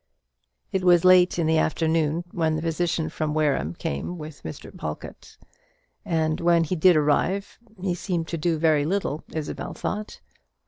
It was late in the afternoon when the physician from Wareham came with Mr. Pawlkatt; and when he did arrive, he seemed to do very little, Isabel thought.